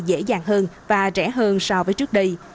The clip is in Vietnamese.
dễ dàng hơn và rẻ hơn so với trước đây